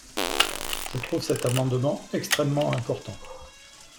Je trouve cet amendement extrêmement important.